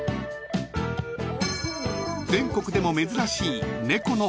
［全国でも珍しい］